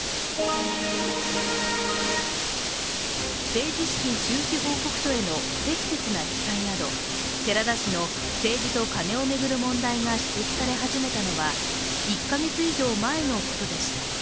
政治資金収支報告書への不適切な記載など寺田氏の政治とカネを巡る問題が指摘され始めたのは１か月以上前のことでした。